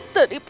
kamu sama siapa